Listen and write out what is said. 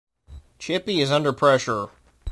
Chippy is under pressure.